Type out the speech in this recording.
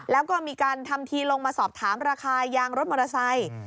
แล้วก็มีการทำทีลงมาสอบถามราคายางรถมอเตอร์ไซค์